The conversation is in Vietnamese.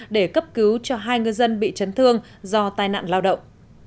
để cấp cứu cho hai ngư dân bị chấn thương do tai nạn lao động